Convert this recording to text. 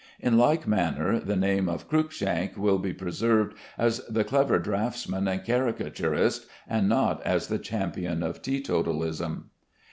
In like manner the name of Cruickshank will be preserved as the clever draughtsman and caricaturist, and not as the champion of teetotalism.